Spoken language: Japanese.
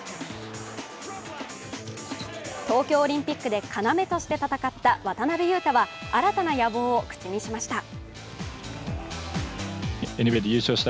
東京オリンピックで要として戦った渡邊雄太は新たな野望を口にしました。